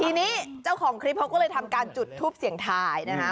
ทีนี้เจ้าของคลิปเขาก็เลยทำการจุดทูปเสียงทายนะคะ